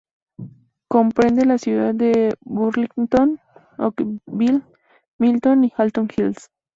Comprende la ciudad de Burlington, Oakville, Milton y Halton Hills.